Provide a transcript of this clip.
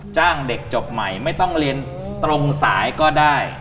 จ้างเด็กจบใหม่ไม่ต้องเรียนตรงสายก็ได้